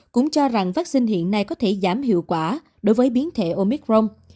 cũng cho rằng vắc xin hiện nay có thể giảm hiệu quả đối với biến thể omicron